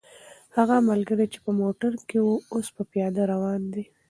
هغه ملګری چې په موټر کې و، اوس په پیاده روان دی.